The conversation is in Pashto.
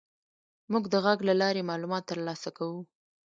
موږ د غږ له لارې معلومات تر لاسه کوو.